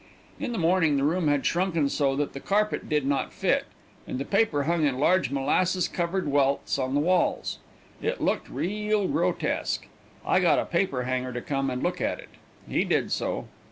In the morning the room had shrunken so that the carpet did not fit, and the paper hung in large molasses covered welts on the walls. It looked real grotesque. I got a paper hanger to come and look at it. He did so.